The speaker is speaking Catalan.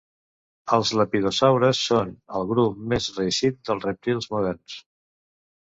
Els lepidosaures són el grup més reeixit dels rèptils moderns.